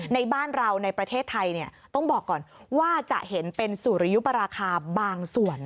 ในบ้านเราในประเทศไทยต้องบอกก่อนว่าจะเห็นเป็นสุริยุปราคาบางส่วน